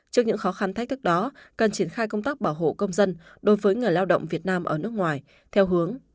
trước những khó khăn thách thức đó cần triển khai công tác bảo hộ công dân đối với người lao động việt nam ở nước ngoài theo hướng